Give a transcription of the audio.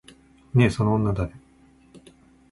ねえ、その女誰？